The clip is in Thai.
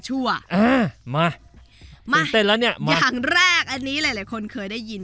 ชั่วอ่ามาเต้นเต้นแล้วเนี่ยมาอย่างแรกอันนี้หลายหลายคนเคยได้ยิน